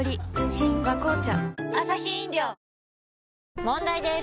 新「和紅茶」問題です！